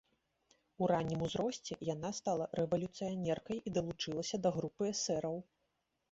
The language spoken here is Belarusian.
У раннім узросце яна стала рэвалюцыянеркай і далучылася да групы эсэраў.